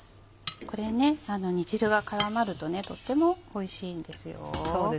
これ煮汁が絡まるととてもおいしいんですよ。